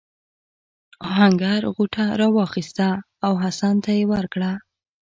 آهنګر غوټه راواخیسته او حسن ته یې ورکړه.